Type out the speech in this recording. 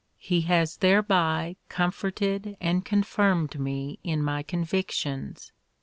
He has thereby comforted and confirmed me in my convictions.